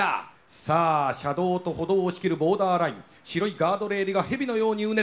さあ車道と歩道を仕切るボーダーライン白いガードレールが蛇のようにうねって見える。